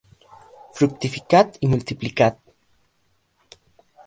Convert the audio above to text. Fructificad y multiplicad